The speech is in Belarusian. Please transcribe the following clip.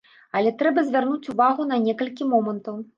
Але трэба звярнуць увагу на некалькі момантаў.